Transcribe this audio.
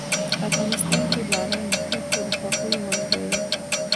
افغانستان کې باران د خلکو د خوښې وړ ځای دی.